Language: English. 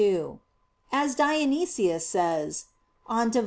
2: As Dionysius says (Div.